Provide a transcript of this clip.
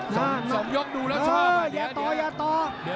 สองยกดูแล้วชอบอ่ะเดี๋ยวอย่าต่ออย่าต่อ